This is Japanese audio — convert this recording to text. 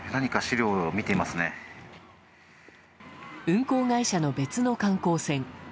運航会社の別の観光船